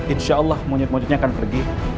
insya allah monyet monyetnya akan pergi